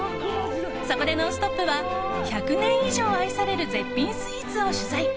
そこで「ノンストップ！」は１００年以上愛される絶品スイーツを取材。